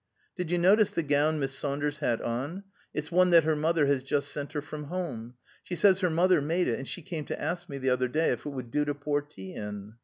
"Did you notice the gown Miss Saunders had on? It's one that her mother has just sent her from home. She says her mother made it, and she came to ask me, the other day, if it would do to pour tea in.